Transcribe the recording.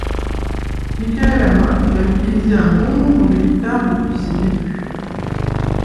Michael Amott a utilisé un bon nombre de guitares depuis ses débuts.